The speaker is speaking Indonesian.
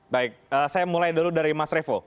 baik saya mulai dulu dari mas revo